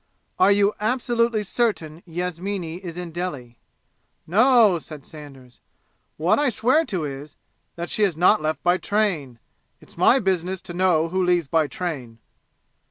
" are you absolutely certain Yasmini is in Delhi?" "No," said Saunders. "What I swear to is that she has not left by train. It's my business to know who leaves by train."